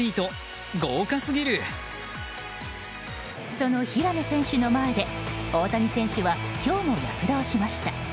その平野選手の前で大谷選手は今日も躍動しました。